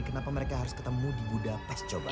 kenapa mereka harus ketemu di budapest coba